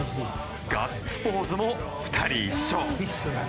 ガッツポーズも２人一緒。